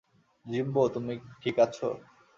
Jimbo, তুমি ঠিক আছো?